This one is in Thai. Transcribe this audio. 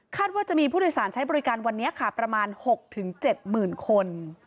ว่าจะมีผู้โดยสารใช้บริการวันนี้ค่ะประมาณ๖๗๐๐คน